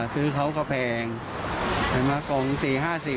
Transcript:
ซื้อเขากระแพงเห็นไหมกล่อง๔๕๐บาทนี่